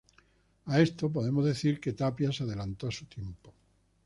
A esto, podemos que decir que Tapia se adelantó a su tiempo.